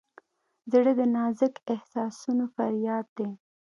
زړه د نازک احساسونو فریاد دی.